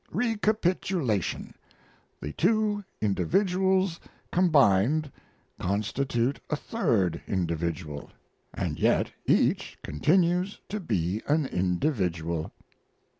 Recapitulation: the two individuals combined constitute a third individual and yet each continues to be an individual."